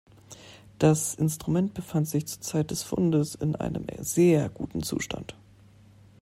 Das Instrument befand sich zur Zeit des Fundes in einem sehr guten Zustand.